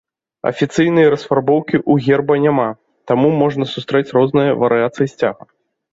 Афіцыйнай расфарбоўкі ў герба няма, таму можна сустрэць розныя варыянты сцяга.